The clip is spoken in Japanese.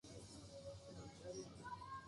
パイナップルの産地は台湾が有名です。